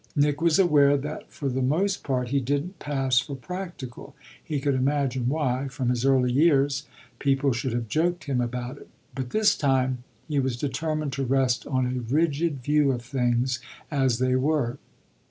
Nick was aware that for the most part he didn't pass for practical; he could imagine why, from his early years, people should have joked him about it. But this time he was determined to rest on a rigid view of things as they were.